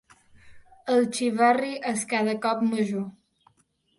El xivarri és cada cop major.